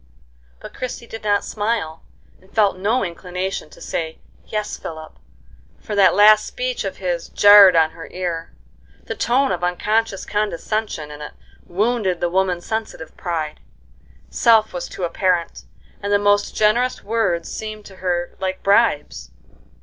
But Christie did not smile, and felt no inclination to say "Yes, Philip," for that last speech of his jarred on her ear. The tone of unconscious condescension in it wounded the woman's sensitive pride; self was too apparent, and the most generous words seemed to her like bribes.